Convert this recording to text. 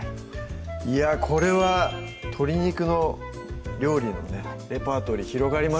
いやこれは鶏肉の料理のねレパートリー広がりますね